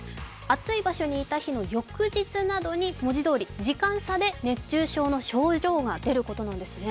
暑い場所にいた日の翌日などに文字どおり時間差で熱中症の症状が出ることなんですね。